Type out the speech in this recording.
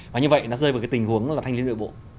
và như vậy nó rơi vào cái tình huống là thanh lý nội bộ